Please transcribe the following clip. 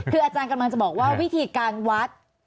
คืออาจารย์กำลังจะบอกว่าวิธีการวัด